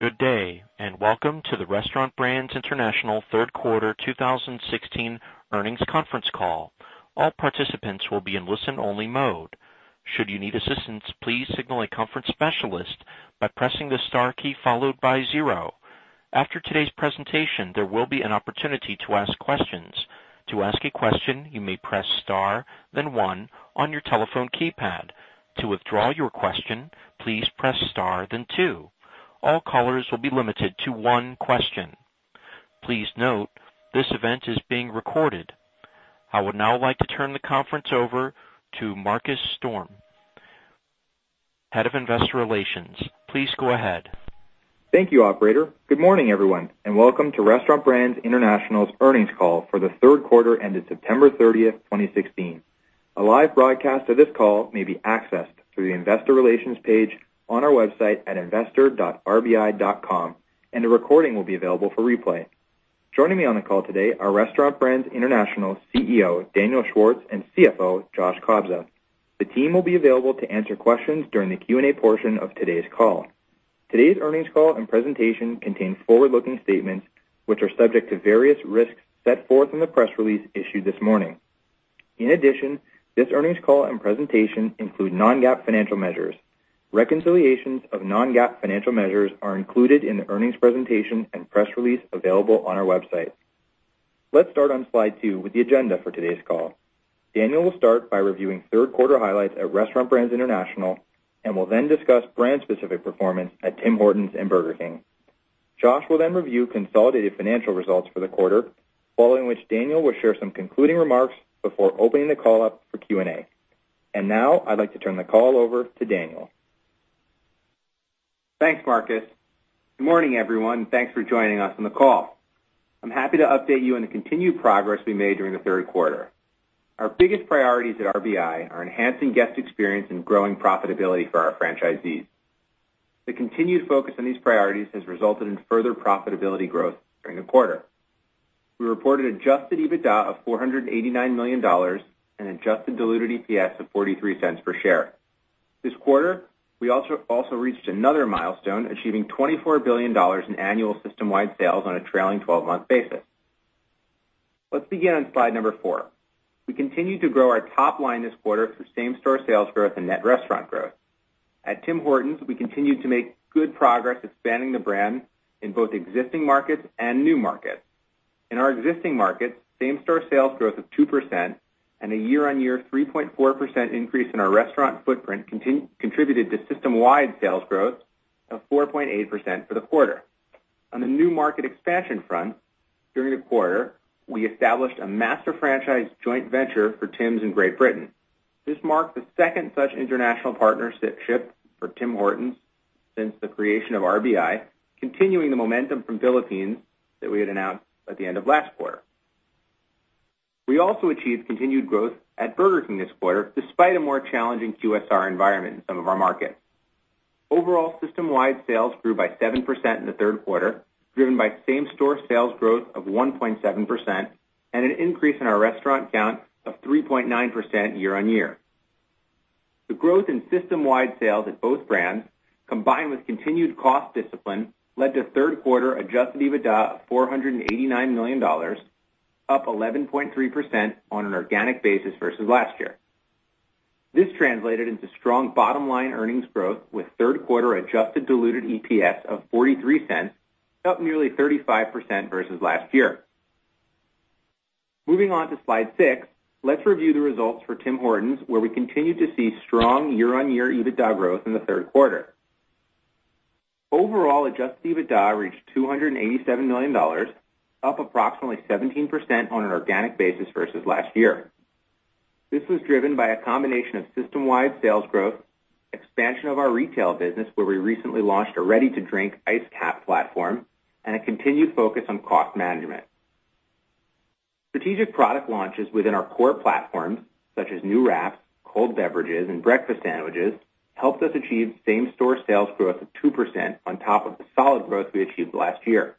Good day, welcome to the Restaurant Brands International third quarter 2016 earnings conference call. All participants will be in listen-only mode. Should you need assistance, please signal a conference specialist by pressing the star key followed by zero. After today's presentation, there will be an opportunity to ask questions. To ask a question, you may press star then one on your telephone keypad. To withdraw your question, please press star then two. All callers will be limited to one question. Please note, this event is being recorded. I would now like to turn the conference over to Markus Sturm, Head of Investor Relations. Please go ahead. Thank you, operator. Good morning, everyone, welcome to Restaurant Brands International's earnings call for the third quarter ended September 30th, 2016. A live broadcast of this call may be accessed through the investor relations page on our website at investor.rbi.com, a recording will be available for replay. Joining me on the call today are Restaurant Brands International CEO, Daniel Schwartz, and CFO, Josh Kobza. The team will be available to answer questions during the Q&A portion of today's call. Today's earnings call and presentation contain forward-looking statements, which are subject to various risks set forth in the press release issued this morning. In addition, this earnings call and presentation include non-GAAP financial measures. Reconciliations of non-GAAP financial measures are included in the earnings presentation and press release available on our website. Let's start on slide two with the agenda for today's call. Daniel will start by reviewing third quarter highlights at Restaurant Brands International and will then discuss brand-specific performance at Tim Hortons and Burger King. Josh will then review consolidated financial results for the quarter, following which Daniel will share some concluding remarks before opening the call up for Q&A. Now, I'd like to turn the call over to Daniel. Thanks, Markus. Good morning, everyone. Thanks for joining us on the call. I'm happy to update you on the continued progress we made during the third quarter. Our biggest priorities at RBI are enhancing guest experience and growing profitability for our franchisees. The continued focus on these priorities has resulted in further profitability growth during the quarter. We reported adjusted EBITDA of $489 million and adjusted diluted EPS of $0.43 per share. This quarter, we also reached another milestone, achieving $24 billion in annual system-wide sales on a trailing 12-month basis. Let's begin on slide number four. We continued to grow our top line this quarter through same-store sales growth and net restaurant growth. At Tim Hortons, we continued to make good progress expanding the brand in both existing markets and new markets. In our existing markets, same-store sales growth of 2% and a year-on-year 3.4% increase in our restaurant footprint contributed to system-wide sales growth of 4.8% for the quarter. On the new market expansion front, during the quarter, we established a master franchise joint venture for Tims in Great Britain. This marked the second such international partnership for Tim Hortons since the creation of RBI, continuing the momentum from Philippines that we had announced at the end of last quarter. We also achieved continued growth at Burger King this quarter, despite a more challenging QSR environment in some of our markets. Overall, system-wide sales grew by 7% in the third quarter, driven by same-store sales growth of 1.7% and an increase in our restaurant count of 3.9% year-on-year. The growth in system-wide sales at both brands, combined with continued cost discipline, led to third quarter adjusted EBITDA of $489 million, up 11.3% on an organic basis versus last year. This translated into strong bottom-line earnings growth with third quarter adjusted diluted EPS of $0.43, up nearly 35% versus last year. Moving on to slide six, let's review the results for Tim Hortons, where we continued to see strong year-on-year EBITDA growth in the third quarter. Overall adjusted EBITDA reached $287 million, up approximately 17% on an organic basis versus last year. This was driven by a combination of system-wide sales growth, expansion of our retail business, where we recently launched a ready-to-drink Iced Capp platform, and a continued focus on cost management. Strategic product launches within our core platforms, such as new wraps, cold beverages, and breakfast sandwiches, helped us achieve same-store sales growth of 2% on top of the solid growth we achieved last year.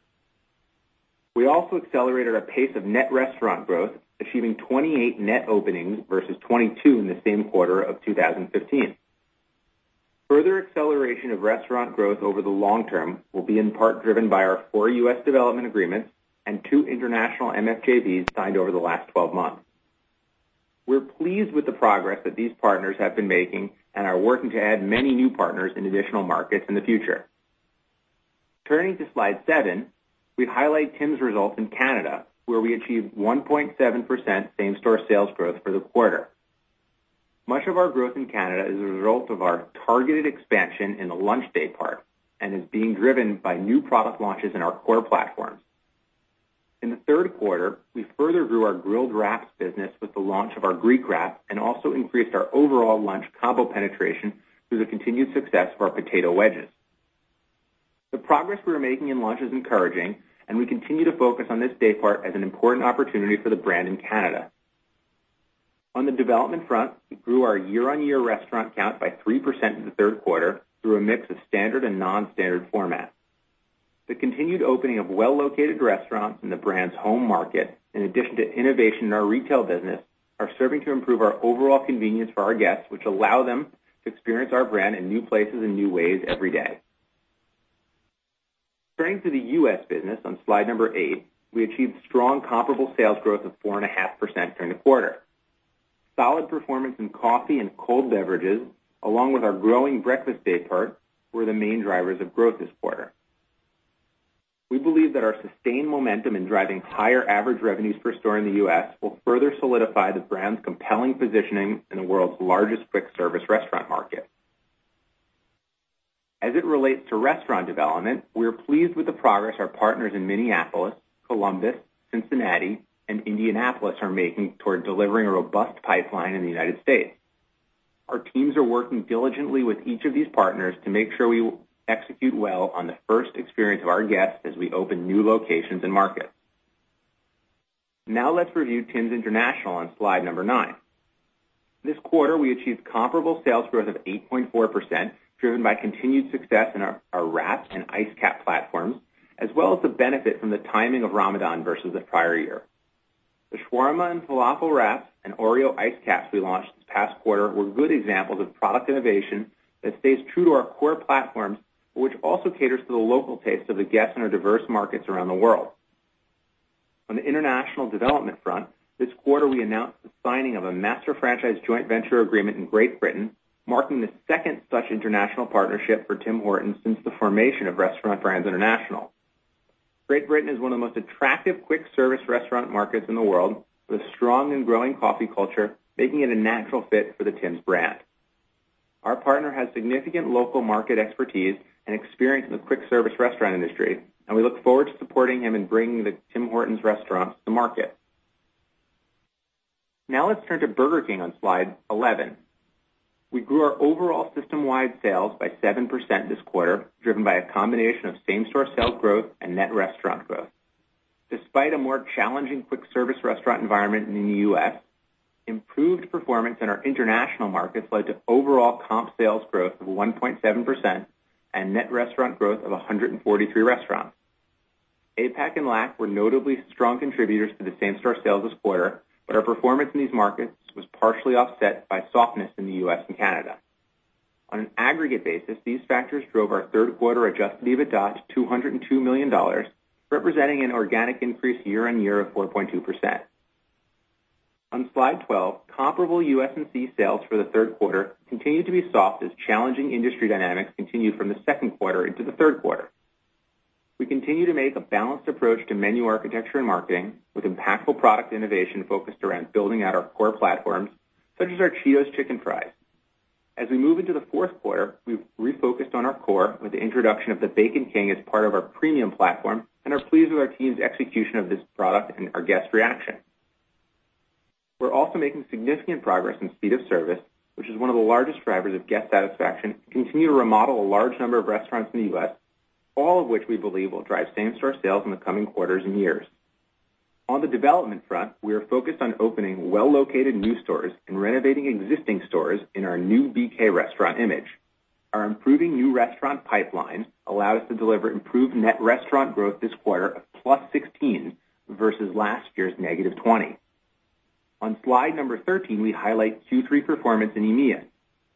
We also accelerated our pace of net restaurant growth, achieving 28 net openings versus 22 in the same quarter of 2015. Further acceleration of restaurant growth over the long term will be in part driven by our four U.S. development agreements and two international MFJVs signed over the last 12 months. We're pleased with the progress that these partners have been making and are working to add many new partners in additional markets in the future. Turning to slide seven, we highlight Tim's results in Canada, where we achieved 1.7% same-store sales growth for the quarter. Much of our growth in Canada is a result of our targeted expansion in the lunch day part and is being driven by new product launches in our core platforms. In the third quarter, we further grew our grilled wraps business with the launch of our Greek wrap and also increased our overall lunch combo penetration through the continued success of our potato wedges. The progress we are making in lunch is encouraging, and we continue to focus on this day part as an important opportunity for the brand in Canada. On the development front, we grew our year-on-year restaurant count by 3% in the third quarter through a mix of standard and non-standard formats. The continued opening of well-located restaurants in the brand's home market, in addition to innovation in our retail business are serving to improve our overall convenience for our guests, which allow them to experience our brand in new places and new ways every day. Turning to the U.S. business on slide number eight, we achieved strong comparable sales growth of 4.5% during the quarter. Solid performance in coffee and cold beverages, along with our growing breakfast day parts, were the main drivers of growth this quarter. We believe that our sustained momentum in driving higher average revenues per store in the U.S. will further solidify the brand's compelling positioning in the world's largest quick service restaurant market. As it relates to restaurant development, we are pleased with the progress our partners in Minneapolis, Columbus, Cincinnati, and Indianapolis are making toward delivering a robust pipeline in the U.S. Our teams are working diligently with each of these partners to make sure we execute well on the first experience of our guests as we open new locations and markets. Now let's review Tim's International on slide number nine. This quarter, we achieved comparable sales growth of 8.4%, driven by continued success in our wraps and Iced Capp platforms, as well as the benefit from the timing of Ramadan versus the prior year. The shawarma and falafel wrap and Oreo Iced Capps we launched this past quarter were good examples of product innovation that stays true to our core platforms, but which also caters to the local tastes of the guests in our diverse markets around the world. On the international development front, this quarter, we announced the signing of a Master Franchise Joint Venture agreement in Great Britain, marking the second such international partnership for Tim Hortons since the formation of Restaurant Brands International. Great Britain is one of the most attractive quick service restaurant markets in the world, with a strong and growing coffee culture, making it a natural fit for the Tim's brand. Our partner has significant local market expertise and experience in the quick service restaurant industry, and we look forward to supporting him in bringing the Tim Hortons's restaurants to market. Now let's turn to Burger King on slide 11. We grew our overall system-wide sales by 7% this quarter, driven by a combination of same-store sales growth and net restaurant growth. Despite a more challenging quick service restaurant environment in the U.S., improved performance in our international markets led to overall comp sales growth of 1.7% and net restaurant growth of 143 restaurants. APAC and LAC were notably strong contributors to the same-store sales this quarter, but our performance in these markets was partially offset by softness in the U.S. and Canada. On an aggregate basis, these factors drove our third quarter adjusted EBITDA to $202 million, representing an organic increase year-on-year of 4.2%. On slide 12, comparable U.S. and C sales for the third quarter continued to be soft as challenging industry dynamics continued from the second quarter into the third quarter. We continue to make a balanced approach to menu architecture and marketing, with impactful product innovation focused around building out our core platforms, such as our Cheetos Chicken Fries. As we move into the fourth quarter, we've refocused on our core with the introduction of the Bacon King as part of our premium platform and are pleased with our team's execution of this product and our guests' reaction. We're also making significant progress in speed of service, which is one of the largest drivers of guest satisfaction, and continue to remodel a large number of restaurants in the U.S., all of which we believe will drive same-store sales in the coming quarters and years. On the development front, we are focused on opening well-located new stores and renovating existing stores in our new BK restaurant image. Our improving new restaurant pipeline allowed us to deliver improved net restaurant growth this quarter of +16 versus last year's -20. On slide 13, we highlight Q3 performance in EMEA.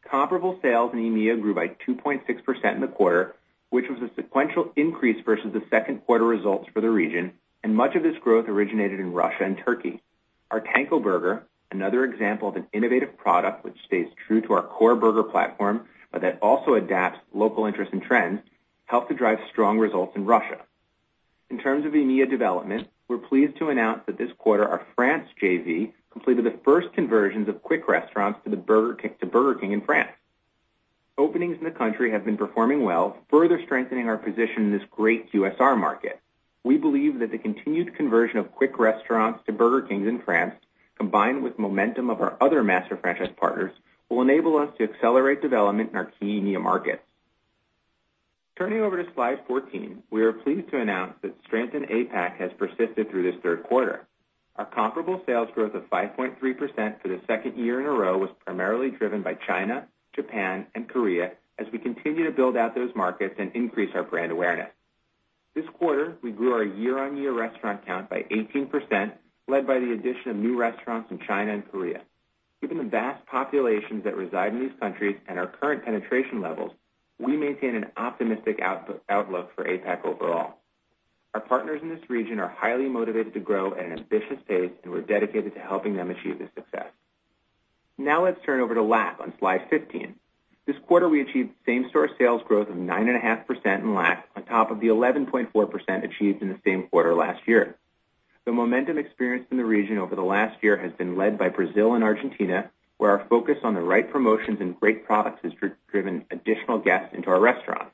Comparable sales in EMEA grew by 2.6% in the quarter, which was a sequential increase versus the second quarter results for the region. Much of this growth originated in Russia and Turkey. Our Tanko Burger, another example of an innovative product which stays true to our core burger platform, but that also adapts local interests and trends, helped to drive strong results in Russia. In terms of EMEA development, we're pleased to announce that this quarter, our France JV completed the first conversions of Quick restaurants to Burger King in France. Openings in the country have been performing well, further strengthening our position in this great QSR market. We believe that the continued conversion of Quick restaurants to Burger Kings in France, combined with momentum of our other master franchise partners, will enable us to accelerate development in our key EMEA markets. Turning over to slide 14, we are pleased to announce that strength in APAC has persisted through this third quarter. Our comparable sales growth of 5.3% for the second year in a row was primarily driven by China, Japan, and Korea, as we continue to build out those markets and increase our brand awareness. This quarter, we grew our year-on-year restaurant count by 18%, led by the addition of new restaurants in China and Korea. Given the vast populations that reside in these countries and our current penetration levels, we maintain an optimistic outlook for APAC overall. Our partners in this region are highly motivated to grow at an ambitious pace, and we're dedicated to helping them achieve this success. Let's turn over to LAC on slide 15. This quarter, we achieved same-store sales growth of 9.5% in LAC on top of the 11.4% achieved in the same quarter last year. The momentum experienced in the region over the last year has been led by Brazil and Argentina, where our focus on the right promotions and great products has driven additional guests into our restaurants.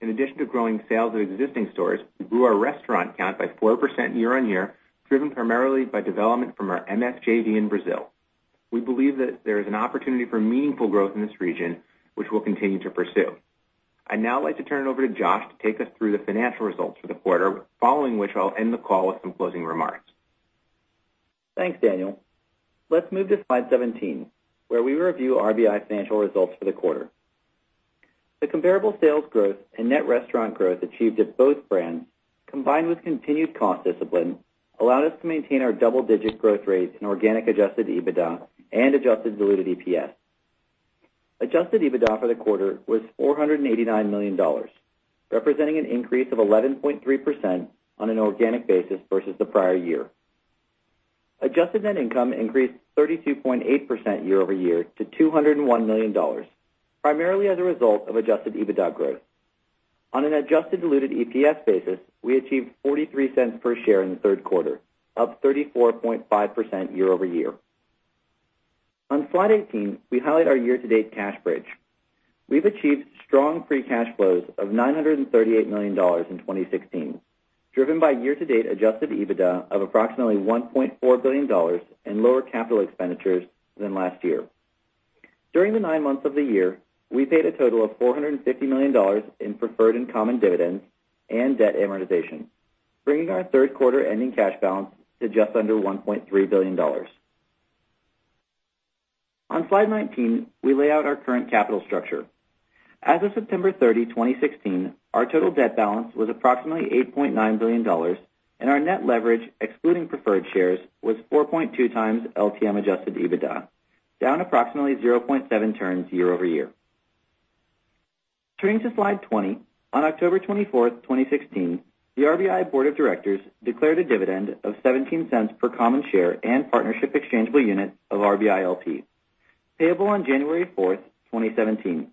In addition to growing sales of existing stores, we grew our restaurant count by 4% year-on-year, driven primarily by development from our MF JV in Brazil. We believe that there is an opportunity for meaningful growth in this region, which we'll continue to pursue. I'd now like to turn it over to Josh to take us through the financial results for the quarter, following which I'll end the call with some closing remarks. Thanks, Daniel. Let's move to slide 17, where we review RBI financial results for the quarter. The comparable sales growth and net restaurant growth achieved at both brands, combined with continued cost discipline, allowed us to maintain our double-digit growth rates in organic adjusted EBITDA and adjusted diluted EPS. Adjusted EBITDA for the quarter was $489 million, representing an increase of 11.3% on an organic basis versus the prior year. Adjusted net income increased 32.8% year-over-year to $201 million, primarily as a result of adjusted EBITDA growth. On an adjusted diluted EPS basis, we achieved $0.43 per share in the third quarter, up 34.5% year-over-year. On slide 18, we highlight our year-to-date cash bridge. We've achieved strong free cash flows of $938 million in 2016, driven by year-to-date adjusted EBITDA of approximately $1.4 billion in lower capital expenditures than last year. During the nine months of the year, we paid a total of $450 million in preferred and common dividends and debt amortization, bringing our third quarter ending cash balance to just under $1.3 billion. On slide 19, we lay out our current capital structure. As of September 30, 2016, our total debt balance was approximately $8.9 billion, and our net leverage, excluding preferred shares, was 4.2 times LTM adjusted EBITDA, down approximately 0.7 turns year-over-year. Turning to slide 20, on October 24, 2016, the RBI Board of Directors declared a dividend of $0.17 per common share and partnership exchangeable unit of RBI LP, payable on January 4, 2017.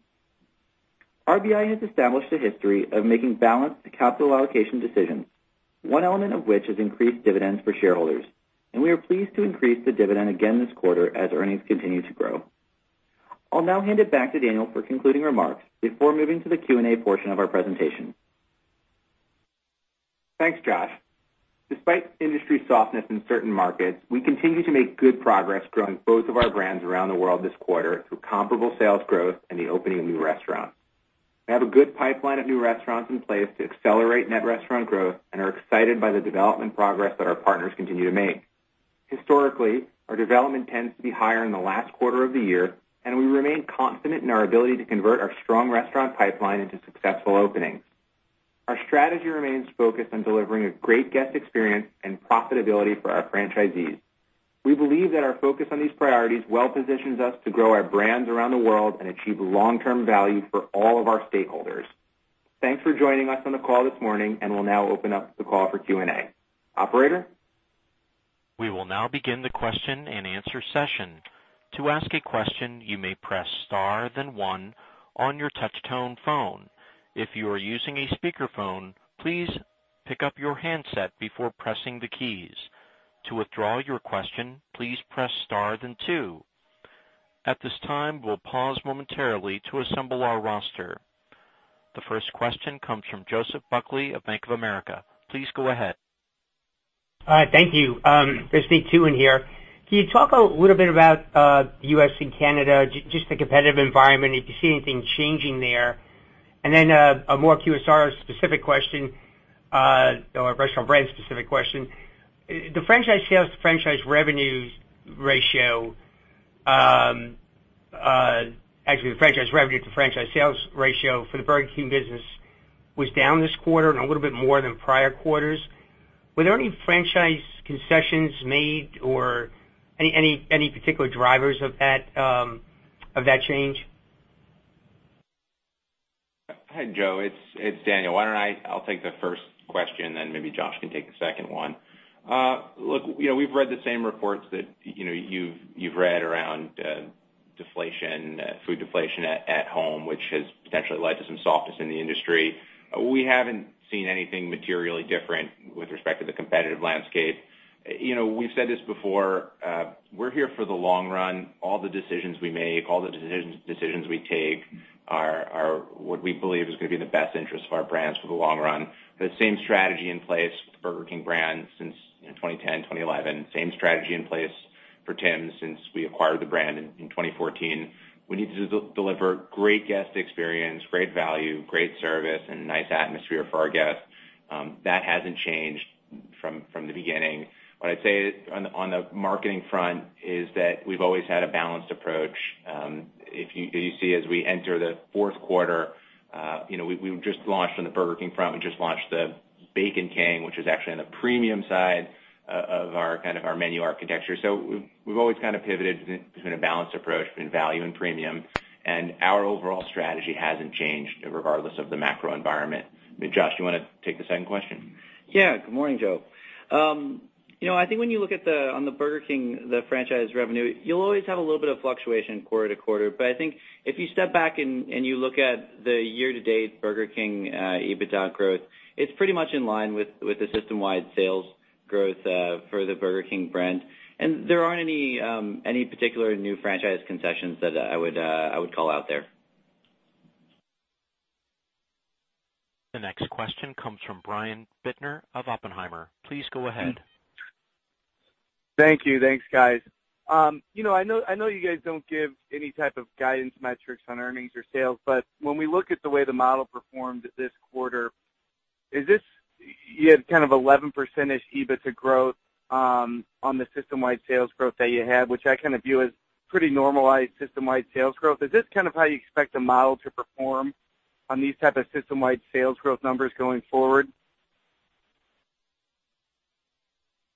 RBI has established a history of making balanced capital allocation decisions, one element of which is increased dividends for shareholders. We are pleased to increase the dividend again this quarter as earnings continue to grow. I'll now hand it back to Daniel for concluding remarks before moving to the Q&A portion of our presentation. Thanks, Josh. Despite industry softness in certain markets, we continue to make good progress growing both of our brands around the world this quarter through comparable sales growth and the opening of new restaurants. We have a good pipeline of new restaurants in place to accelerate net restaurant growth and are excited by the development progress that our partners continue to make. Historically, our development tends to be higher in the last quarter of the year. We remain confident in our ability to convert our strong restaurant pipeline into successful openings. Our strategy remains focused on delivering a great guest experience and profitability for our franchisees. We believe that our focus on these priorities well positions us to grow our brands around the world and achieve long-term value for all of our stakeholders. Thanks for joining us on the call this morning. We'll now open up the call for Q&A. Operator? We will now begin the question and answer session. To ask a question, you may press star then one on your touch tone phone. If you are using a speakerphone, please pick up your handset before pressing the keys. To withdraw your question, please press star then two. At this time, we'll pause momentarily to assemble our roster. The first question comes from Joseph Buckley of Bank of America. Please go ahead. All right. Thank you. There's me too in here. Can you talk a little bit about U.S. and Canada, just the competitive environment, if you see anything changing there? Then a more QSR-specific question or a Restaurant Brands-specific question. The franchise sales to franchise revenues ratio, actually the franchise revenue to franchise sales ratio for the Burger King business was down this quarter and a little bit more than prior quarters. Were there any franchise concessions made or any particular drivers of that change? Hi, Joe. It's Daniel. Why don't I take the first question. Maybe Josh can take the second one. Look, we've read the same reports that you've read around deflation, food deflation at home, which has potentially led to some softness in the industry. We haven't seen anything materially different with respect to the competitive landscape. We've said this before: we're here for the long run. All the decisions we make, all the decisions we take are what we believe is going to be in the best interest of our brands for the long run. The same strategy in place with the Burger King brand since 2010, 2011. Same strategy in place for Tim's since we acquired the brand in 2014. We need to deliver great guest experience, great value, great service, and a nice atmosphere for our guests. That hasn't changed from the beginning. What I'd say on the marketing front is that we've always had a balanced approach. If you see as we enter the fourth quarter, on the Burger King front, we just launched the Bacon King, which is actually on the premium side of our menu architecture. We've always kind of pivoted between a balanced approach between value and premium, and our overall strategy hasn't changed regardless of the macro environment. Josh, you want to take the second question? Yeah. Good morning, Joe. I think when you look on the Burger King, the franchise revenue, you'll always have a little bit of fluctuation quarter-to-quarter. I think if you step back and you look at the year-to-date Burger King EBITDA growth, it's pretty much in line with the system-wide sales growth for the Burger King brand. There aren't any particular new franchise concessions that I would call out there. The next question comes from Brian Bittner of Oppenheimer. Please go ahead. Thank you. Thanks, guys. I know you guys don't give any type of guidance metrics on earnings or sales, when we look at the way the model performed this quarter, you had 11% EBITDA growth on the system-wide sales growth that you had, which I view as pretty normalized system-wide sales growth. Is this how you expect the model to perform on these type of system-wide sales growth numbers going forward?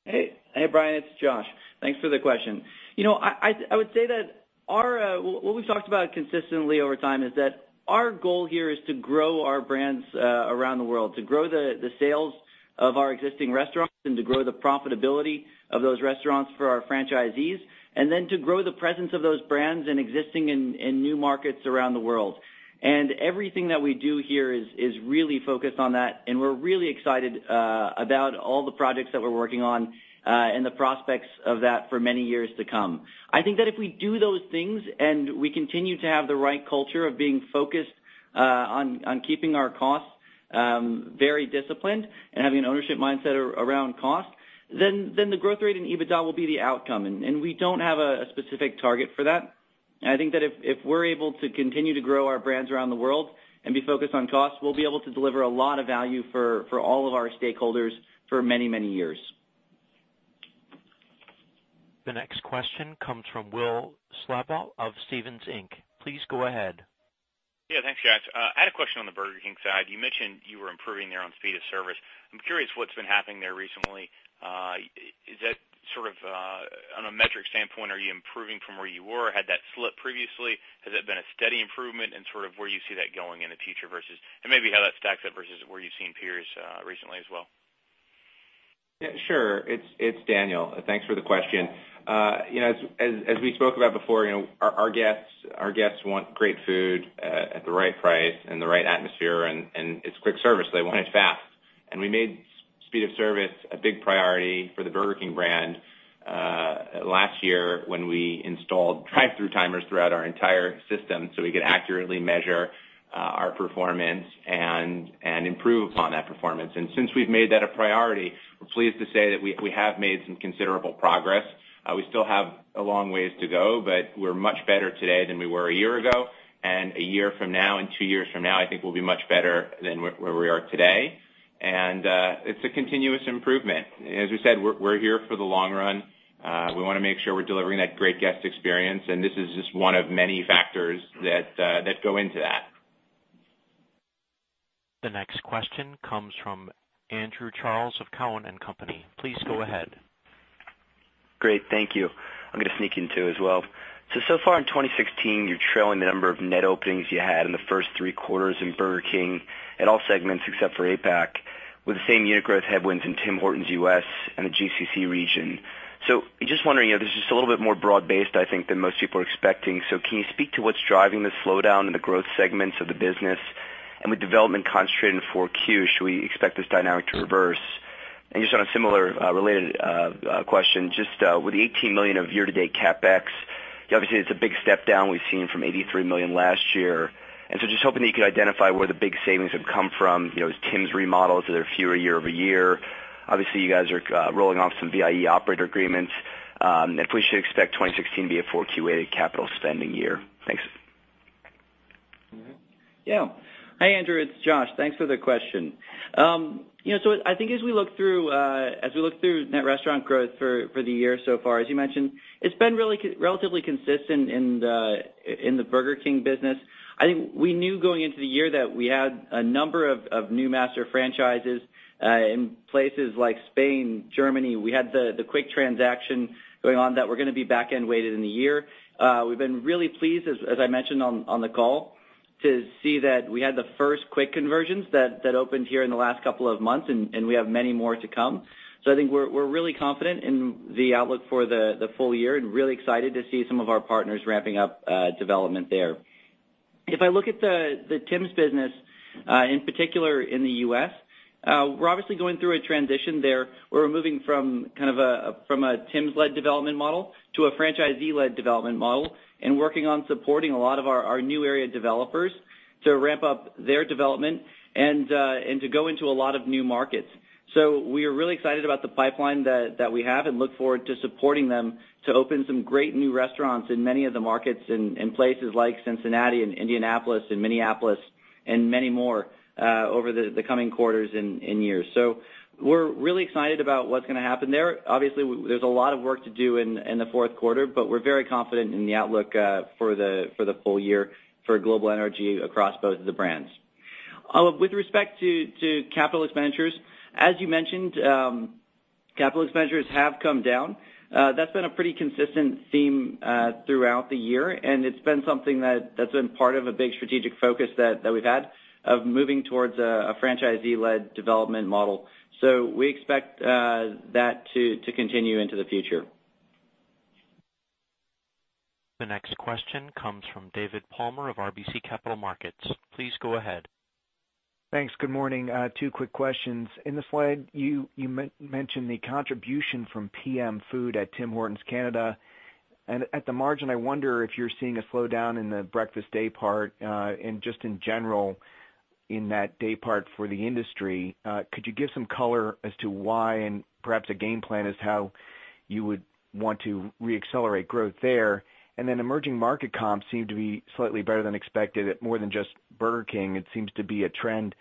Hey, Brian, it's Josh. Thanks for the question. I would say that what we've talked about consistently over time is that our goal here is to grow our brands around the world, to grow the sales of our existing restaurants, and to grow the profitability of those restaurants for our franchisees, and then to grow the presence of those brands in existing and new markets around the world. Everything that we do here is really focused on that, and we're really excited about all the projects that we're working on, and the prospects of that for many years to come. I think that if we do those things and we continue to have the right culture of being focused on keeping our costs very disciplined and having an ownership mindset around cost, then the growth rate in EBITDA will be the outcome, and we don't have a specific target for that. I think that if we're able to continue to grow our brands around the world and be focused on costs, we'll be able to deliver a lot of value for all of our stakeholders for many, many years. The next question comes from Will Slabaugh of Stephens Inc. Please go ahead. Yeah, thanks, Josh. I had a question on the Burger King side. You mentioned you were improving there on speed of service. I'm curious what's been happening there recently. Is that on a metric standpoint, are you improving from where you were? Had that slipped previously? Has that been a steady improvement and where you see that going in the future and maybe how that stacks up versus where you've seen peers recently as well? Yeah, sure. It's Daniel. Thanks for the question. As we spoke about before, our guests want great food at the right price in the right atmosphere and it's quick service, so they want it fast. We made speed of service a big priority for the Burger King brand last year when we installed drive-thru timers throughout our entire system so we could accurately measure our performance and improve upon that performance. Since we've made that a priority, we're pleased to say that we have made some considerable progress. We still have a long ways to go, but we're much better today than we were a year ago, and a year from now and two years from now, I think we'll be much better than where we are today. It's a continuous improvement. As we said, we're here for the long run. We want to make sure we're delivering that great guest experience, and this is just one of many factors that go into that. The next question comes from Andrew Charles of Cowen and Company. Please go ahead. Great. Thank you. I'm going to sneak in two as well. So far in 2016, you're trailing the number of net openings you had in the first three quarters in Burger King in all segments except for APAC, with the same unit growth headwinds in Tim Hortons U.S. and the GCC region. Just wondering, this is just a little bit more broad-based, I think, than most people are expecting. Can you speak to what's driving the slowdown in the growth segments of the business? With development concentrated in 4Q, should we expect this dynamic to reverse? Just on a similar related question, just with the $18 million of year-to-date CapEx, obviously it's a big step down we've seen from $83 million last year. Just hoping that you could identify where the big savings have come from, Tim's remodels, are there fewer year-over-year? Obviously, you guys are rolling off some VIE operator agreements. If we should expect 2016 to be a 4Q-weighted capital spending year. Thanks. Yeah. Hi, Andrew. It's Josh. Thanks for the question. I think as we look through net restaurant growth for the year so far, as you mentioned, it's been relatively consistent in the Burger King business. I think we knew going into the year that we had a number of new master franchises in places like Spain, Germany. We had the Quick transaction going on that we're going to be back-end weighted in the year. We've been really pleased, as I mentioned on the call, to see that we had the first Quick conversions that opened here in the last couple of months, and we have many more to come. I think we're really confident in the outlook for the full year and really excited to see some of our partners ramping up development there. If I look at the Tim's business, in particular in the U.S., we're obviously going through a transition there. We're moving from a Tim's-led development model to a franchisee-led development model and working on supporting a lot of our new area developers to ramp up their development and to go into a lot of new markets. We are really excited about the pipeline that we have and look forward to supporting them to open some great new restaurants in many of the markets in places like Cincinnati and Indianapolis and Minneapolis and many more over the coming quarters and years. We're really excited about what's going to happen there. Obviously, there's a lot of work to do in the fourth quarter, but we're very confident in the outlook for the full year for global NRG across both of the brands. With respect to capital expenditures, as you mentioned, capital expenditures have come down. That's been a pretty consistent theme throughout the year, and it's been something that's been part of a big strategic focus that we've had of moving towards a franchisee-led development model. We expect that to continue into the future. The next question comes from David Palmer of RBC Capital Markets. Please go ahead. Thanks. Good morning. Two quick questions. In the slide, you mentioned the contribution from PM food at Tim Hortons Canada. At the margin, I wonder if you're seeing a slowdown in the breakfast day part and just in general in that day part for the industry. Could you give some color as to why and perhaps a game plan as to how you would want to reaccelerate growth there. Then emerging market comps seem to be slightly better than expected at more than just Burger King. It seems to be a trend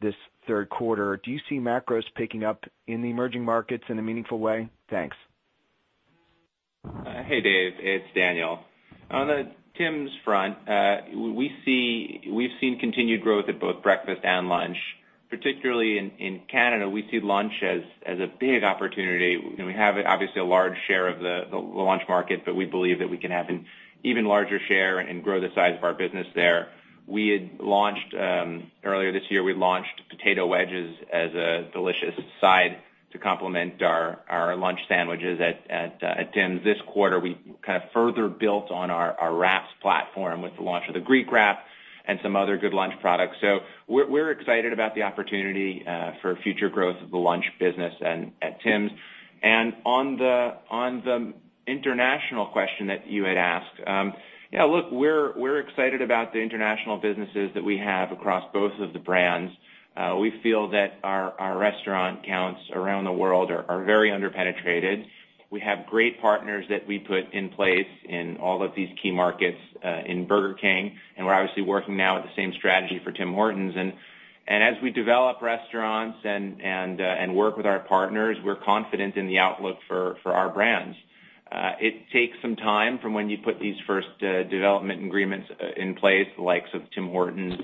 this third quarter. Do you see macros picking up in the emerging markets in a meaningful way? Thanks. Hey, Dave. It's Daniel. On the Tim's front, we've seen continued growth at both breakfast and lunch, particularly in Canada. We see lunch as a big opportunity, and we have obviously a large share of the lunch market, but we believe that we can have an even larger share and grow the size of our business there. Earlier this year, we launched potato wedges as a delicious side to complement our lunch sandwiches at Tim's this quarter. We kind of further built on our wraps platform with the launch of the Greek wrap and some other good lunch products. We're excited about the opportunity for future growth of the lunch business at Tim's. On the international question that you had asked, look, we're excited about the international businesses that we have across both of the brands. We feel that our restaurant counts around the world are very under-penetrated. We have great partners that we put in place in all of these key markets in Burger King. We're obviously working now with the same strategy for Tim Hortons. As we develop restaurants and work with our partners, we're confident in the outlook for our brands. It takes some time from when you put these first development agreements in place, the likes of Tim Hortons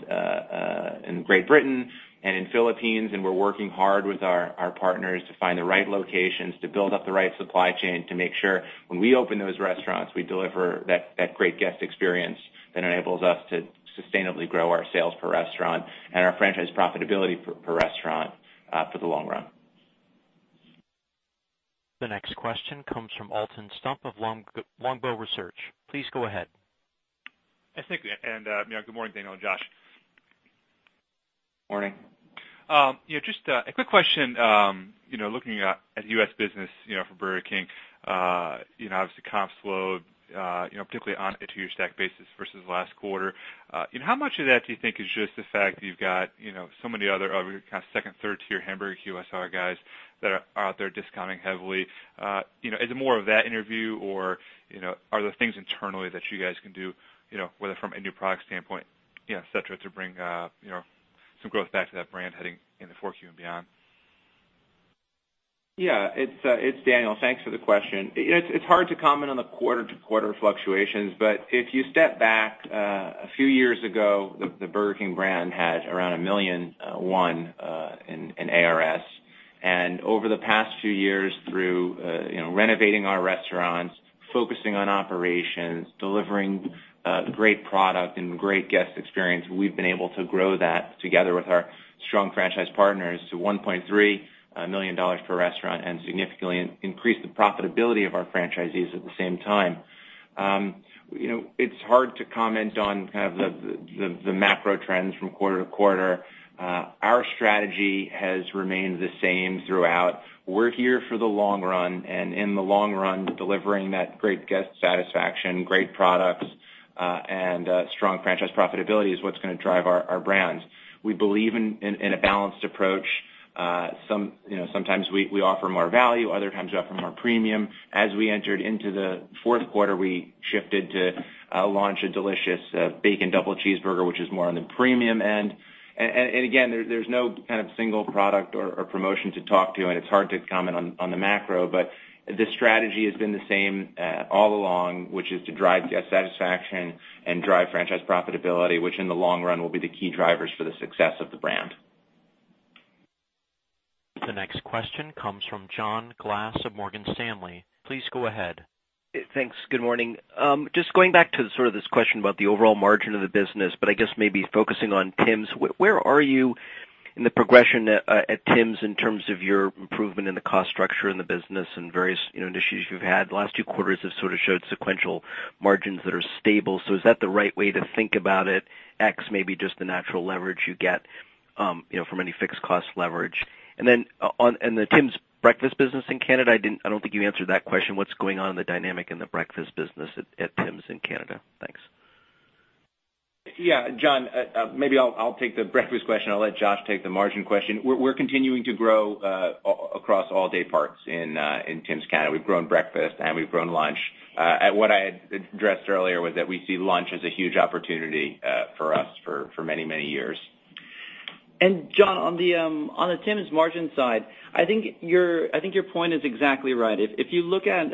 in Great Britain and in Philippines. We're working hard with our partners to find the right locations, to build up the right supply chain, to make sure when we open those restaurants, we deliver that great guest experience that enables us to sustainably grow our sales per restaurant and our franchise profitability per restaurant for the long run. The next question comes from Alton Stump of Longbow Research. Please go ahead. Thank you, good morning, Daniel and Josh. Morning. Just a quick question looking at U.S. business for Burger King, obviously comps slowed particularly on a two-year stack basis versus last quarter. How much of that do you think is just the fact that you've got so many other kind of second, third tier hamburger QSR guys that are out there discounting heavily? Is it more of that in your view or are there things internally that you guys can do whether from a new product standpoint, et cetera, to bring some growth back to that brand heading in the fourth Q and beyond? Yeah, it's Daniel. Thanks for the question. It's hard to comment on the quarter-to-quarter fluctuations, if you step back a few years ago, the Burger King brand had around $1 million in [ARS]. Over the past few years, through renovating our restaurants, focusing on operations, delivering great product and great guest experience, we've been able to grow that together with our strong franchise partners to $1.3 million per restaurant and significantly increase the profitability of our franchisees at the same time. It's hard to comment on kind of the macro trends from quarter to quarter. Our strategy has remained the same throughout. We're here for the long run, in the long run, delivering that great guest satisfaction, great products, and strong franchise profitability is what's going to drive our brands. We believe in a balanced approach. Sometimes we offer more value, other times we offer more premium. As we entered into the fourth quarter, we shifted to launch a delicious bacon double cheeseburger, which is more on the premium end. Again, there's no kind of single product or promotion to talk to, and it's hard to comment on the macro, but the strategy has been the same all along, which is to drive guest satisfaction and drive franchise profitability, which in the long run will be the key drivers for the success of the brand. The next question comes from John Glass of Morgan Stanley. Please go ahead. Thanks. Good morning. Just going back to sort of this question about the overall margin of the business, but I guess maybe focusing on Tim's, where are you in the progression at Tim's in terms of your improvement in the cost structure in the business and various issues you've had? The last two quarters have sort of showed sequential margins that are stable. Is that the right way to think about it? Ex maybe just the natural leverage you get from any fixed cost leverage. Then on the Tim's breakfast business in Canada, I don't think you answered that question. What's going on in the dynamic in the breakfast business at Tim's in Canada? Thanks. Yeah, John, maybe I'll take the breakfast question. I'll let Josh take the margin question. We're continuing to grow across all day parts in Tim's Canada. We've grown breakfast and we've grown lunch. What I had addressed earlier was that we see lunch as a huge opportunity for us for many, many years. John, on the Tim's margin side, I think your point is exactly right. If you look at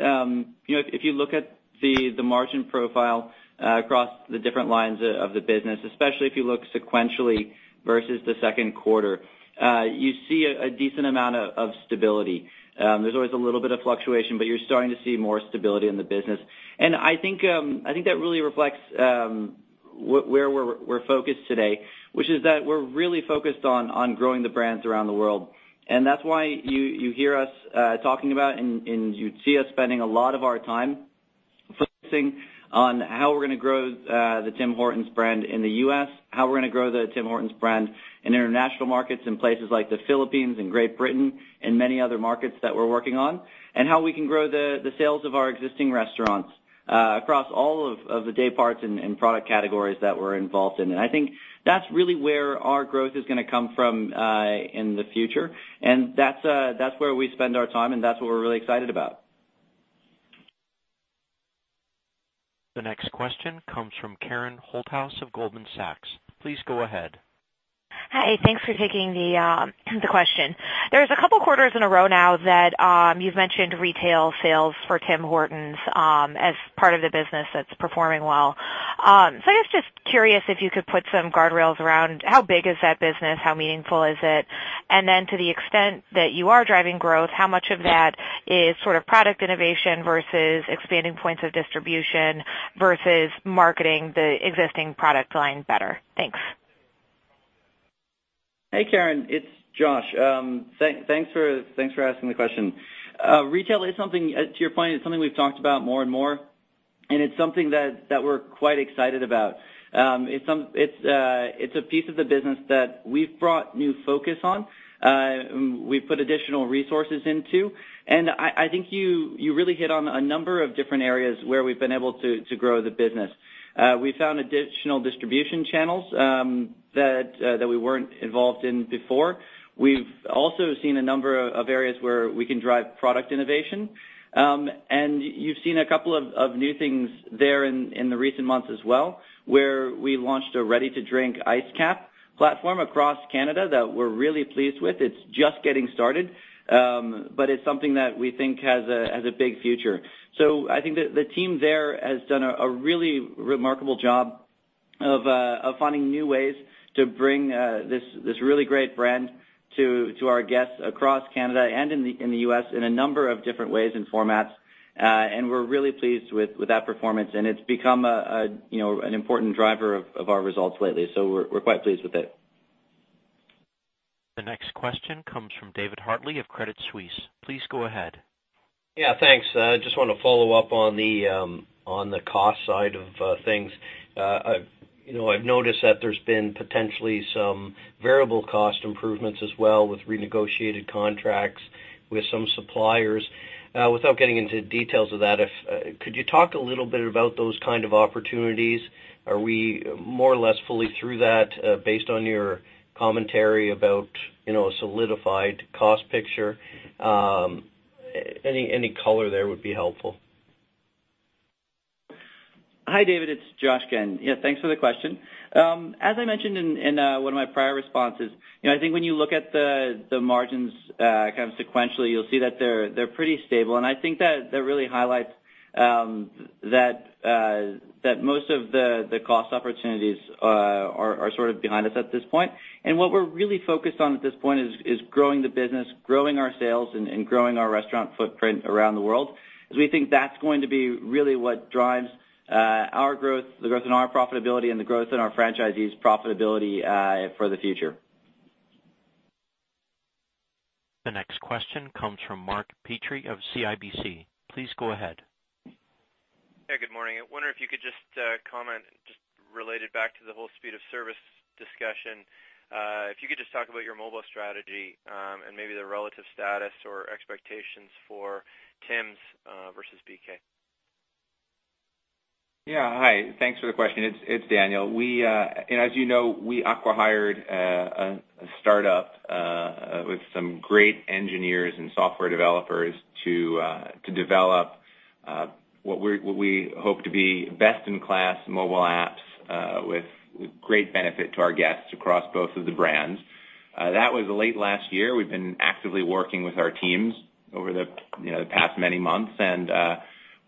the margin profile across the different lines of the business, especially if you look sequentially versus the second quarter, you see a decent amount of stability. There's always a little bit of fluctuation, but you're starting to see more stability in the business. I think that really reflects where we're focused today, which is that we're really focused on growing the brands around the world. That's why you hear us talking about and you see us spending a lot of our time focusing on how we're going to grow the Tim Hortons brand in the U.S., how we're going to grow the Tim Hortons brand in international markets, in places like the Philippines and Great Britain and many other markets that we're working on, and how we can grow the sales of our existing restaurants across all of the day parts and product categories that we're involved in. I think that's really where our growth is going to come from in the future, and that's where we spend our time, and that's what we're really excited about. The next question comes from Karen Holthouse of Goldman Sachs. Please go ahead. Hi. Thanks for taking the question. There is a couple of quarters in a row now that you've mentioned retail sales for Tim Hortons as part of the business that's performing well. I was just curious if you could put some guardrails around how big is that business, how meaningful is it? Then to the extent that you are driving growth, how much of that is product innovation versus expanding points of distribution versus marketing the existing product line better? Thanks. Hey, Karen, it's Josh. Thanks for asking the question. To your point, it's something we've talked about more and more. It's something that we're quite excited about. It's a piece of the business that we've brought new focus on, we've put additional resources into. I think you really hit on a number of different areas where we've been able to grow the business. We found additional distribution channels that we weren't involved in before. We've also seen a number of areas where we can drive product innovation. You've seen a couple of new things there in the recent months as well, where we launched a ready-to-drink Iced Capp platform across Canada that we're really pleased with. It's just getting started, it's something that we think has a big future. I think the team there has done a really remarkable job of finding new ways to bring this really great brand to our guests across Canada and in the U.S. in a number of different ways and formats. We're really pleased with that performance, and it's become an important driver of our results lately. We're quite pleased with it. The next question comes from David Hartley of Credit Suisse. Please go ahead. Yeah, thanks. I just want to follow up on the cost side of things. I've noticed that there's been potentially some variable cost improvements as well with renegotiated contracts with some suppliers. Without getting into details of that, could you talk a little bit about those kind of opportunities? Are we more or less fully through that based on your commentary about a solidified cost picture? Any color there would be helpful. Hi, David, it's Josh again. Yeah, thanks for the question. As I mentioned in one of my prior responses, I think when you look at the margins kind of sequentially, you'll see that they're pretty stable. I think that really highlights that most of the cost opportunities are sort of behind us at this point. What we're really focused on at this point is growing the business, growing our sales, and growing our restaurant footprint around the world, as we think that's going to be really what drives our growth, the growth in our profitability and the growth in our franchisees' profitability for the future. The next question comes from Mark Petrie of CIBC. Please go ahead. Hey, good morning. I wonder if you could just comment, just related back to the whole speed of service discussion, if you could just talk about your mobile strategy, and maybe the relative status or expectations for Tim's versus BK. Yeah. Hi. Thanks for the question. It's Daniel. As you know, we acqui-hired a startup with some great engineers and software developers to develop what we hope to be best-in-class mobile apps with great benefit to our guests across both of the brands. That was late last year. We've been actively working with our teams over the past many months, and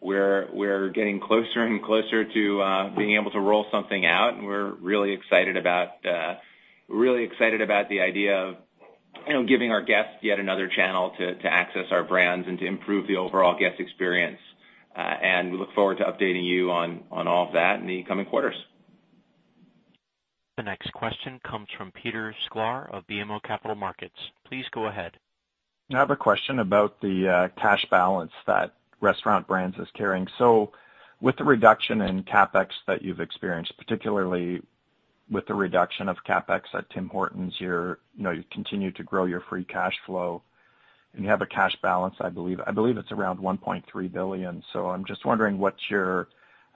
we're getting closer and closer to being able to roll something out, and we're really excited about the idea of giving our guests yet another channel to access our brands and to improve the overall guest experience. We look forward to updating you on all of that in the coming quarters. The next question comes from Peter Sklar of BMO Capital Markets. Please go ahead. I have a question about the cash balance that Restaurant Brands is carrying. With the reduction in CapEx that you've experienced, particularly with the reduction of CapEx at Tim Hortons, you continue to grow your free cash flow, and you have a cash balance, I believe it's around $1.3 billion. I'm just wondering what your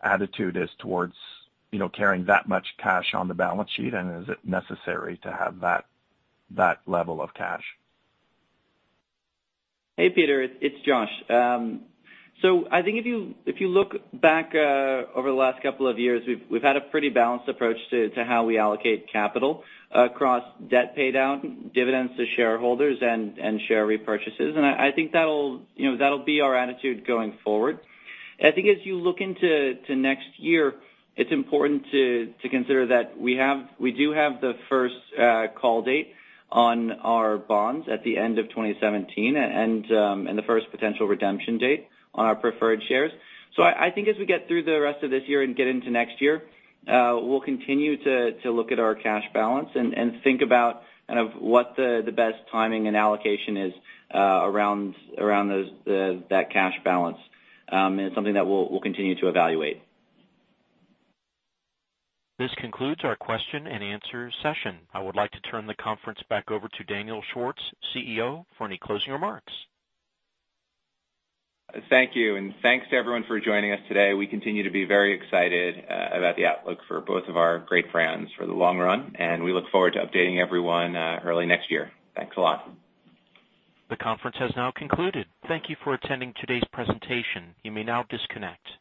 attitude is towards carrying that much cash on the balance sheet, and is it necessary to have that level of cash? Hey, Peter, it's Josh. I think if you look back over the last couple of years, we've had a pretty balanced approach to how we allocate capital across debt paydown, dividends to shareholders, and share repurchases, and I think that'll be our attitude going forward. I think as you look into next year, it's important to consider that we do have the first call date on our bonds at the end of 2017 and the first potential redemption date on our preferred shares. I think as we get through the rest of this year and get into next year, we'll continue to look at our cash balance and think about what the best timing and allocation is around that cash balance, and it's something that we'll continue to evaluate. This concludes our question and answer session. I would like to turn the conference back over to Daniel Schwartz, CEO, for any closing remarks. Thank you, and thanks to everyone for joining us today. We continue to be very excited about the outlook for both of our great brands for the long run, and we look forward to updating everyone early next year. Thanks a lot. The conference has now concluded. Thank you for attending today's presentation. You may now disconnect.